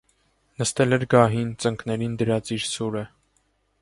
Նստել էր գահին՝ ծնկներին դրած իր սուրը։